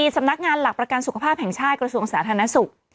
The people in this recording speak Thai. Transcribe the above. สำนักงานหลักประกันสุขภาพแห่งชาติกระทรวงสาธารณสุข